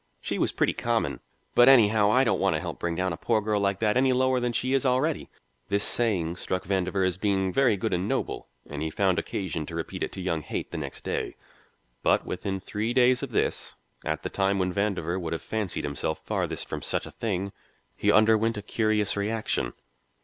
"She was pretty common, but anyhow I don't want to help bring down a poor girl like that any lower than she is already." This saying struck Vandover as being very good and noble, and he found occasion to repeat it to young Haight the next day. But within three days of this, at the time when Vandover would have fancied himself farthest from such a thing, he underwent a curious reaction.